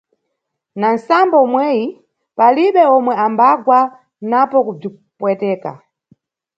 Na nʼsambo umweyi, palibe omwe ambagwa napo kubzipweteka.